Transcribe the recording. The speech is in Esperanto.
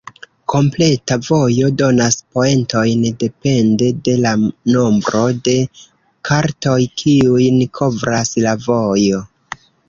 Kompleta vojo donas poentojn depende de la nombro de kartoj, kiujn kovras la vojo.